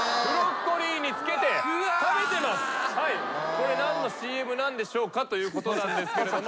これ何のＣＭなんでしょうかということなんですけれども。